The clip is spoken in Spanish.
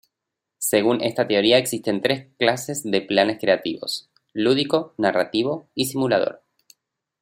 Según esta teoría existen tres clases de planes creativos: lúdico, narrativo y simulador.